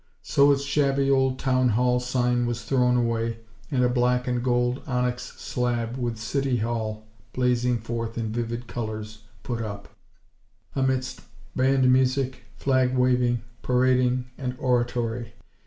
So its shabby old "Town Hall" sign was thrown away, and a black and gold onyx slab, with "CITY HALL" blazing forth in vivid colors, put up, amidst band music, flag waving, parading and oratory.